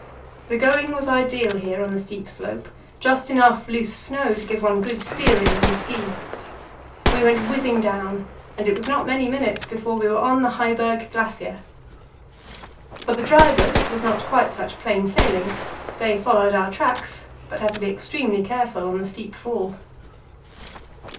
The going was ideal here on the steep slope, just enough loose snow to give one good steering on ski. We went whizzing down, and it was not many minutes before we were on the Heiberg Glacier. For the drivers it was not quite such plain sailing: they followed our tracks, but had to be extremely careful on the steep fall.